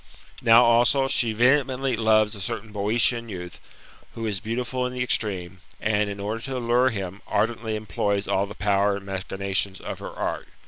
" Now, also, she vehemently loves a certain Boeotian youth, who 'is beautiful in the extreme, and [in order to allure himj ardently employs all the power and machinations of her art.